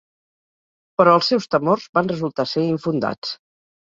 Però els seus temors van resultar ser infundats.